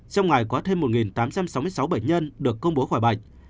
trong ngày có thêm một tám trăm sáu mươi sáu bệnh nhân được công bố khỏi bệnh